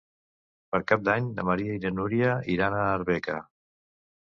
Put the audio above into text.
Per Cap d'Any na Maria i na Núria iran a Arbeca.